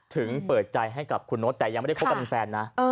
ถึงเปิดใจให้กับคุณโน๊ตแต่ยังไม่ได้คบกันเป็นแฟนนะ